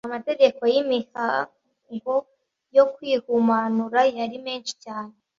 amategeko y’imihango yo kwihumanura yari menshi cyane